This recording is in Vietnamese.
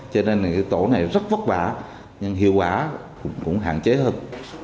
cho nên cái tổ này rất vất vả nhưng hiệu quả cũng hạn chế hơn